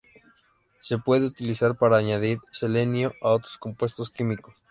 Se puede utilizar para añadir selenio a otros compuestos químicos.